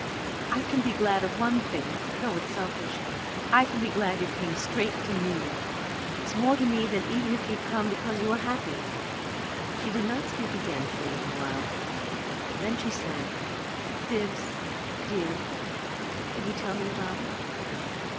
"I can be glad of one thing, though it's selfish. I can be glad you came straight to me. It's more to me than even if you'd come because you were happy." She did not speak again for a little while; then she said: "Bibbs dear could you tell me about it?